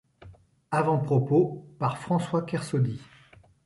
Avant-propos par François Kersaudy.